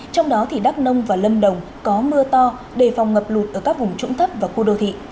trong đó thì đắk nông và lâm đồng có mưa to đề phòng ngập lụt ở các vùng trũng thấp và khu đô thị